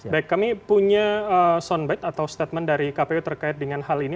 baik kami punya soundbite atau statement dari kpu terkait dengan hal ini